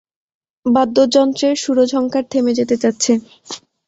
বাদ্যযন্ত্রের সুরঝঙ্কার থেমে যেতে চাচ্ছে।